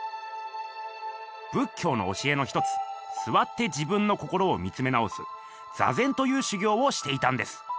仏教の教えの一つ座って自分の心を見つめ直す「座禅」という修行をしていたんです。